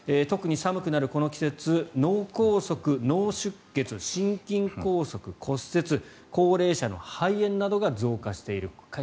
特に寒くなるこの季節脳梗塞、脳出血心筋梗塞、骨折高齢者の肺炎などが増加している。